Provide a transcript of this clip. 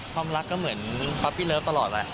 ความรักก็เหมือนป๊อปปี้เลิฟตลอดแหละ